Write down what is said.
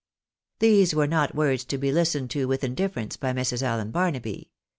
These were not words to be listened to with indifference by Mrs. Allen Barnaby.